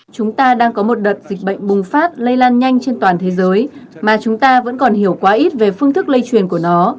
chúng ta đang có một đợt dịch bệnh bùng phát lây lan nhanh trên toàn thế giới mà chúng ta vẫn còn hiểu quá ít về phương thức lây truyền của nó